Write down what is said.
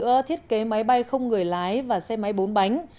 đây là sản phẩm thiết kế máy bay không người lái và xe máy bốn bánh